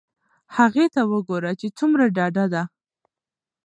هغې ته وگوره چې څومره ډاډه ده.